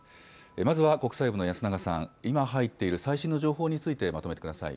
まずは国際部の安永さん、今入っている最新の情報についてまとめ